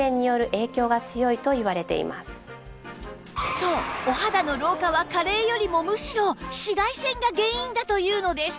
そうお肌の老化は加齢よりもむしろ紫外線が原因だというのです